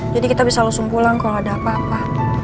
jadi kita bisa langsung pulang kalau ada apa apa